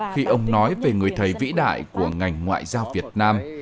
khi ông nói về người thầy vĩ đại của ngành ngoại giao việt nam